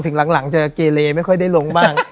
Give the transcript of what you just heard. ถึงหลังจะเกเลไม่ค่อยได้ลงบ้าง